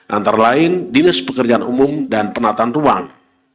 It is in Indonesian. antara lain dinas pekerjaan umum dan penataan ruang